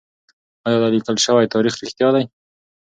ايا دا ليکل شوی تاريخ رښتيا دی؟